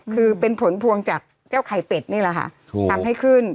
คือเป็นผลพวงจากเจ้าไข่เป็ดนี่แหละค่ะทำให้ขึ้น